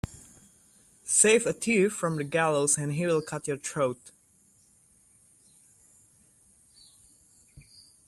Save a thief from the gallows and he will cut your throat